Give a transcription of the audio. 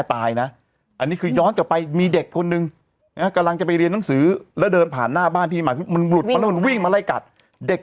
ทุกคนไม่ดูละครอะมาดูแรกการขวนกระแส